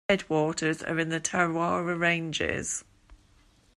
The headwaters are in the Tararua Ranges.